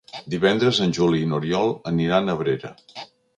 Divendres en Juli i n'Oriol aniran a Abrera.